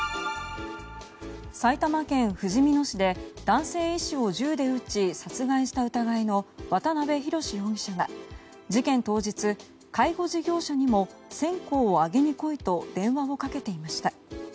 埼玉県ふじみ野市で男性医師を銃で撃ち殺害した疑いの渡辺宏容疑者が事件当日、介護事業者にも線香をあげに来いと電話をかけていました。